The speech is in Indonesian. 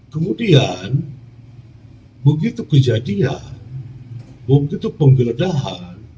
kemudian begitu kejadian begitu penggeledahan